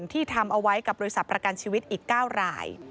ที่ทำเอาไว้กับบริษัทประกันชีวิตอีก๙ราย